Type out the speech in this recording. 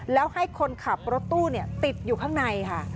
แล้วให้คนขับรถตู้ติดอยู่ข้างในค่ะ